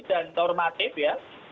dan normatif ya